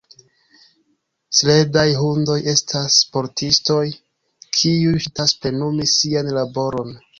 Sledaj hundoj estas sportistoj, kiuj ŝatas plenumi sian laboron.